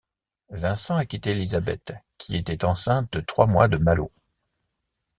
Vincent a quitté Élisabeth, qui était enceinte de trois mois de Malo.